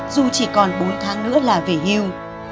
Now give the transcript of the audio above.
dù chỉ còn bốn tháng nữa là về hưu